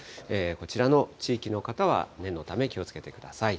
こちらの地域の方は念のため気をつけてください。